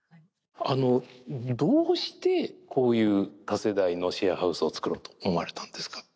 あのどうしてこういう多世代のシェアハウスを作ろうと思われたんですか？